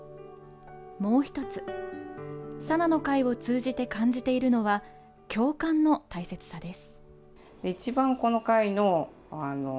もう１つ、Ｓａｎａの会を通じて感じているのは共感の大切さです。